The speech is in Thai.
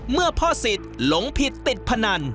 เมื่อพ่อสิทธิ์หลงผิดติดพนัน